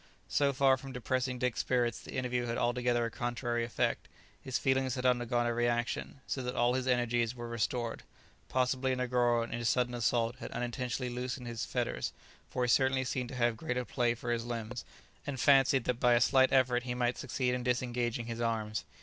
So far from depressing Dick's spirits, the interview had altogether a contrary effect; his feelings had undergone a reaction, so that all his energies were restored. Possibly Negoro in his sudden assault had unintentionally loosened his fetters, for he certainly seemed to have greater play for his limbs, and fancied that by a slight effort he might succeed in disengaging his arms.